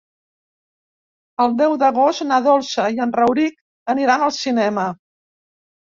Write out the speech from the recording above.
El deu d'agost na Dolça i en Rauric aniran al cinema.